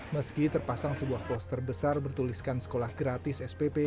meski terpasang sebuah poster besar bertuliskan sekolah gratis spp